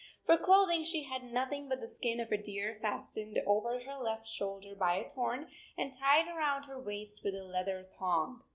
For clothing she had nothing but the skin of a deer fastened over her left shoulder by a thorn, and tied around her waist with a leather thong.